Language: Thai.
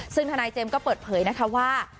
ซึ่งทนายเจมส์ก็เปิดเผยนะคะว่า